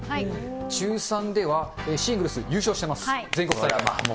中３ではシングルス優勝してます、全国大会。